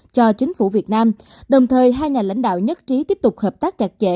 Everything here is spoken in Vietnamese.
cho chính phủ việt nam đồng thời hai nhà lãnh đạo nhất trí tiếp tục hợp tác chặt chẽ